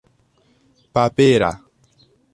papera